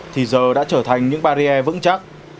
thì giờ đã trở thành những barrier vững chặt